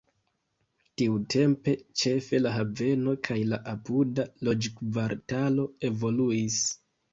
Tiutempe ĉefe la haveno kaj la apuda loĝkvartalo evoluis.